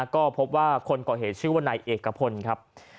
ก็พบว่าคนก่อเหตุชื่อว่านายเอกพลครับ